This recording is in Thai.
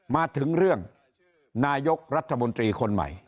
มาถึงเรื่องนายกรัฐมนตรีคนใหม่